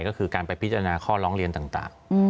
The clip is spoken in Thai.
ก็คือการไปพิจารณาข้อร้องเรียนต่าง